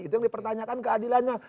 itu yang dipertanyakan keadilannya